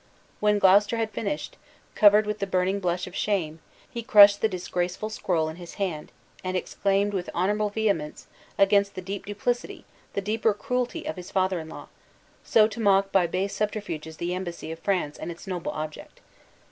When Gloucester had finished, covered with the burning blush of shame, he crushed the disgraceful scroll in his hand, and exclaimed, with honorable vehemence, against the deep duplicity, the deeper cruelty, of his father in law, so to mock by base subterfuges the embassy of France and its noble object.